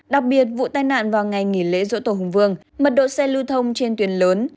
đặc biệt vụ tai nạn vào ngày nghỉ lễ dỗ tổ hùng vương mật độ xe lưu thông trên tuyến lớn